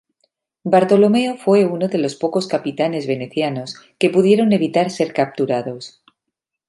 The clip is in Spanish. Bartolomeo fue uno de los pocos capitanes venecianos que pudieron evitar ser capturados.